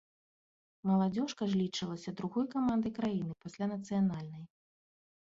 Маладзёжка ж лічылася другой камандай краіны, пасля нацыянальнай.